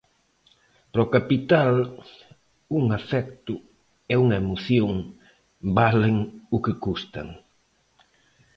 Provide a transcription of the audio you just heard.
Para o capital, un afecto e unha emoción valen o que custan.